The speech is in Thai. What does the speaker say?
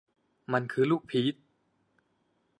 มันคือลูกพีช